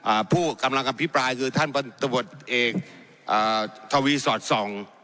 ผู้กำลังอภิปรายคือท่านบันตะบดเอกอ่าทวีสอดส่อง